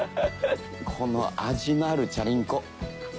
この味のあるチャリンコ。